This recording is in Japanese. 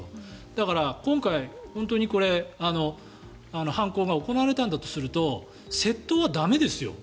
だから、今回本当に犯行が行われたんだとすると窃盗は駄目ですよ。